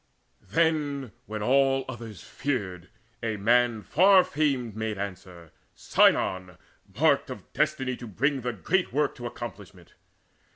Then, when all others feared, a man far famed Made answer, Sinon, marked of destiny To bring the great work to accomplishment.